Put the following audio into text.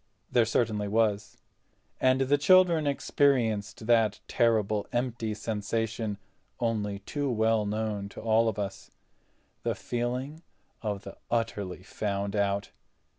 There certainly was, and the children experienced that terrible empty sensation only too well known to all of us—the feeling of the utterly found out.